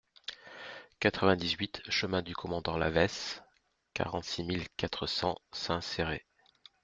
quatre-vingt-dix-huit chemin du Commandant Lavaysse, quarante-six mille quatre cents Saint-Céré